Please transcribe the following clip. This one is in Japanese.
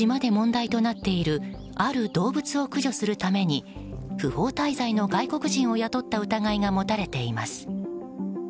島で問題となっているある動物を駆除するために不法に外国人を雇った疑いが持たれています。